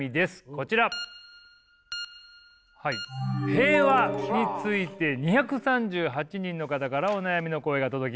平和について２３８人の方からお悩みの声が届きました。